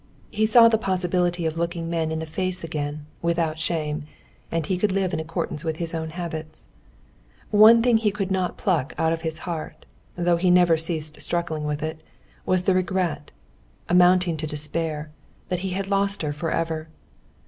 He saw the possibility of looking men in the face again without shame, and he could live in accordance with his own habits. One thing he could not pluck out of his heart, though he never ceased struggling with it, was the regret, amounting to despair, that he had lost her forever.